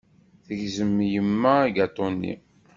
Tegzem yemma agaṭu-nni.